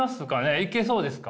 いけそうですか？